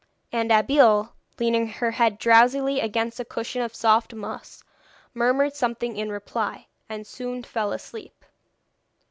And Abeille, leaning her head drowsily against a cushion of soft moss, murmured something in reply, and soon fell asleep.